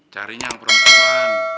carinya yang perangkuan